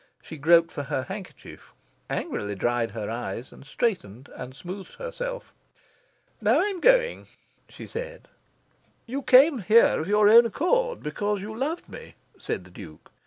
She groped for her handkerchief, angrily dried her eyes, and straightened and smoothed herself. "Now I'm going," she said. "You came here of your own accord, because you loved me," said the Duke.